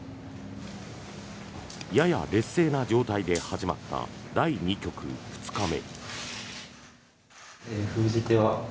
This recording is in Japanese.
やや劣勢な状態で始まった第２局２日目。